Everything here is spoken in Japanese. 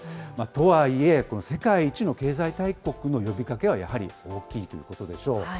とはいえ、世界一の経済大国の呼びかけは、やはり大きいということでしょう。